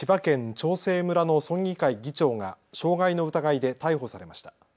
長生村の村議会議長が傷害の疑いで逮捕されました。